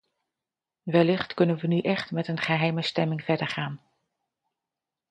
Wellicht kunnen we nu echt met een geheime stemming verdergaan.